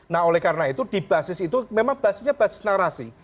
nah oleh karena itu di basis itu memang basisnya basis narasi